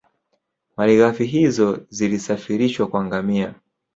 Malighafi hizo zilisafirishwa kwa ngamia